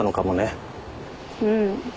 うん。